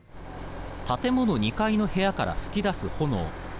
建物２階の部屋から噴き出す炎。